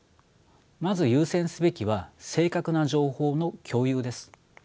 まず優先すべきは正確な情報の共有です。